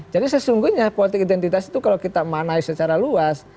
jadi sesungguhnya politik identitas itu kalau kita manai secara luas